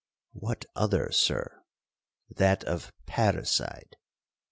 '—'What other, Sir?'—'That of parricide.'